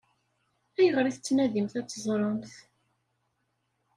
Ayɣer i tettnadimt ad teẓṛemt?